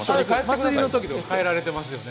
祭りのときに帰られてますよね？